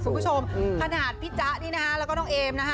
คุณผู้ชมขนาดพี่จ๊ะนี่นะคะแล้วก็น้องเอมนะคะ